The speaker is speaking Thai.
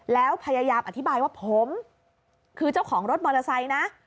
แล้วพยายามอธิบายว่าผมคือเจ้าของรถมอเตอร์ไซค์นะ